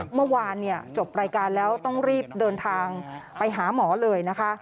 เมื่อวานจบรายการแล้วต้องรีบเดินทางไปหาหมอเลยนะคะ